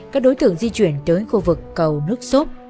các đối tượng di chuyển tới khu vực cầu nước sốt